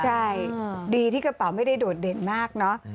ใช่ดีที่กระเป๋าไม่ได้โดดเด่นมากเนอะ